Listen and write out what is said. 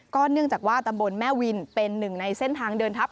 เนื่องจากว่าตำบลแม่วินเป็นหนึ่งในเส้นทางเดินทัพ